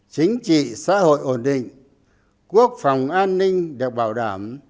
chính trị xã hội ổn định quốc phòng an ninh được bảo đảm